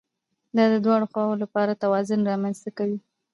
دا د دواړو خواوو لپاره توازن رامنځته کوي